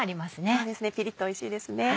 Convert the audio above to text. そうですねピリっとおいしいですね。